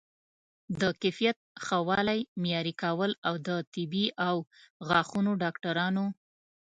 د کیفیت ښه والی معیاري کول او د طبي او غاښونو ډاکټرانو